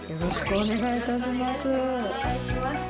お願いします。